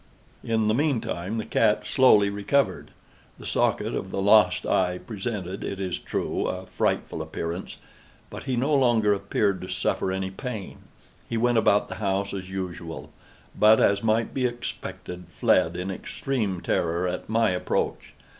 In the meantime the cat slowly recovered. The socket of the lost eye presented, it is true, a frightful appearance, but he no longer appeared to suffer any pain. He went about the house as usual, but, as might be expected, fled in extreme terror at my approach.